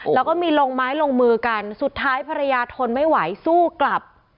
แล้วก็มีลงไม้ลงมือกันสุดท้ายภรรยาทนไม่ไหวสู้กลับ